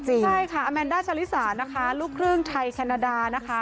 ใช่ค่ะอาแมนด้าชาลิสานะคะลูกครึ่งไทยแคนาดานะคะ